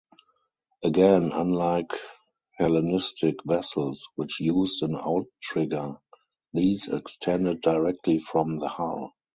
Again unlike Hellenistic vessels, which used an outrigger, these extended directly from the hull.